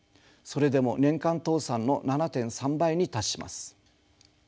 それでも年間倒産の７．３倍に達します。